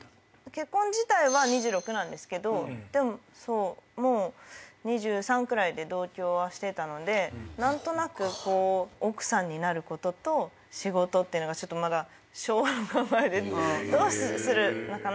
結婚自体は２６ですけどでももう２３くらいで同居はしてたので何となく奥さんになることと仕事っていうのが昭和の考えでどうするのかな？